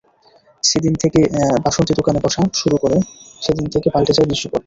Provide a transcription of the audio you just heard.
যেদিন থেকে বাসন্তী দোকানে বসা শুরু করে, সেদিন থেকেই পাল্টে যায় দৃশ্যপট।